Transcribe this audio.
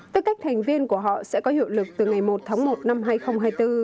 tư cách thành viên của họ sẽ có hiệu lực từ ngày một tháng một năm hai nghìn hai mươi bốn